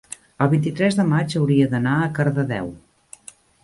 el vint-i-tres de maig hauria d'anar a Cardedeu.